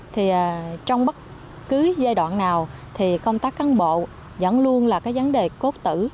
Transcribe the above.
thì trong bất cứ giai đoạn nào thì công tác cán bộ vẫn luôn là cái vấn đề cốt tử